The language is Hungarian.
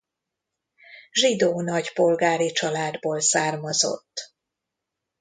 Zsidó nagypolgári családból származott.